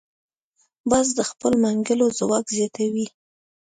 باز د خپلو منګولو ځواک زیاتوي